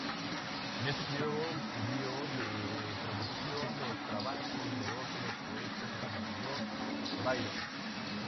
En este período vivió de traducir los trabajos de otros poetas como Lord Byron.